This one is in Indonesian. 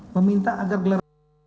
meminta agar gelar